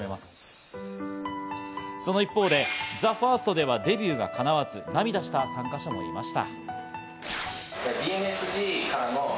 その一方でＴＨＥＦＩＲＳＴではデビューはかなわず、涙した参加者もいました。